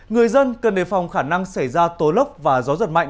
người dân cần đề phòng khả năng xảy ra tố lốc và gió giật mạnh